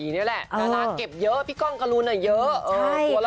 อย่างงั้นเอาไปเก็บเยาะพี่กล้องกระรุนเนี่ยเยอะ